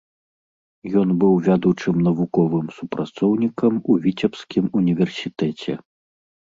Ён быў вядучым навуковым супрацоўнікам у віцебскім універсітэце.